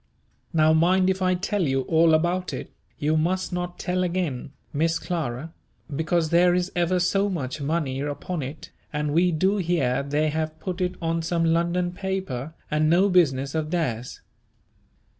Now mind if I tell you all about it, you must not tell again, Miss Clara, because there is ever so much money upon it, and we do hear they have put it on some London paper and no business of theirs.